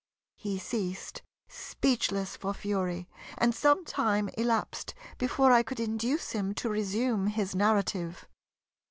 He ceased, speechless for fury; and some time elapsed before I could induce him to resume his narrative.